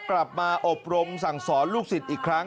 กลับมาอบรมสั่งสอนลูกศิษย์อีกครั้ง